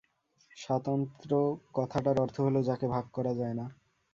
স্বাতন্ত্র্য কথাটার অর্থ হল যাকে ভাগ করা যায় না।